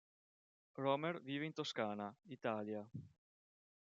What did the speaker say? Romer vive in Toscana, Italia.